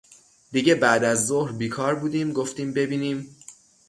دیگه بعد از ظهر بیکار بودیم گفتیم ببینیم